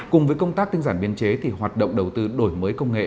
cùng với công tác tinh giản biên chế thì hoạt động đầu tư đổi mới công nghệ